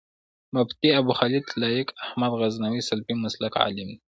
مفتي ابوخالد لائق احمد غزنوي سلفي مسلک عالم دی